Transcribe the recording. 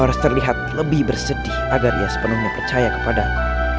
aku harus terlihat lebih bersedih agar dia sepenuhnya percaya kepadaku